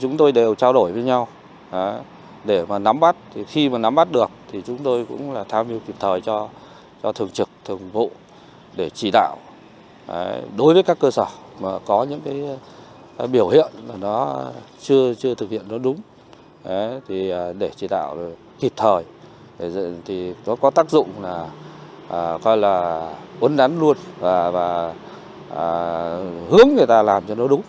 nó có tác dụng là ấn đắn luôn và hướng người ta làm cho nó đúng